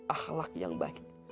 akhlak yang baik